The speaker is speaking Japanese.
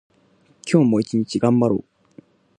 今日も一日頑張ろう。